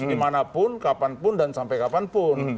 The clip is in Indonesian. dimanapun kapanpun dan sampai kapanpun